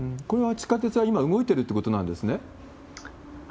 これは、地下鉄は今動いてるってことなんですね。